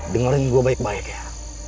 dengarin gua baik baik ya